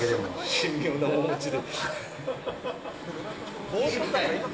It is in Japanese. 神妙な面持ちで。